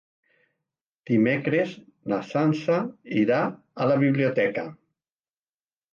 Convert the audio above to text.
Dimecres na Sança irà a la biblioteca.